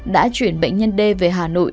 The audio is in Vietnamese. đã chuyển bệnh nhân đê về hà nội